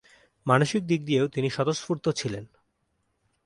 মানসিক দিক দিয়েও তিনি স্বতঃস্ফূর্ত ছিলেন।